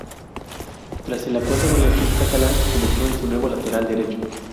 Tras el acuerdo con el club catalán se convirtió en su nuevo lateral derecho.